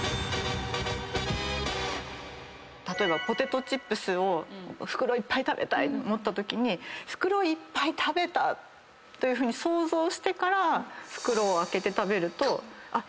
例えばポテトチップスを袋いっぱい食べたいと思ったときに袋いっぱい食べたというふうに想像してから袋を開けて食べると意外とそんなに。